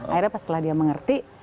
akhirnya setelah dia mengerti